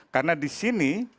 karena di sini